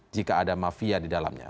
jika ada mafia di dalamnya